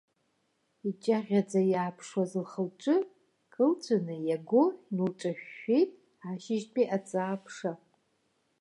Иҷахьаӡа иааԥшуаз лхы-лҿы кылҵәаны иаго инылҿашәшәеит ашьыжьтәи аҵаа-ԥша.